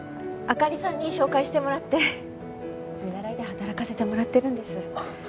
灯さんに紹介してもらって見習いで働かせてもらってるんです。